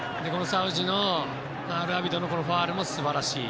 サウジのアルアビドのファウルも素晴らしい。